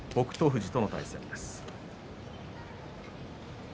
富士との対戦です。